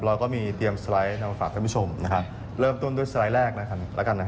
เราก็มีเตรียมสไลด์มาฝากท่านผู้ชมเริ่มต้นด้วยสไลด์แรกนะครับ